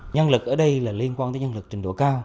nhân lực ở đây là liên quan tới nhân lực trình độ cao